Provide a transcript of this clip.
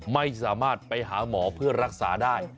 ไม่สามารถไปหาหมอเพื่อรักษาได้